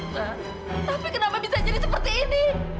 tapi kenapa bisa jadi seperti ini